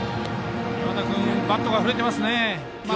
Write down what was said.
山田君バットが振れてますね。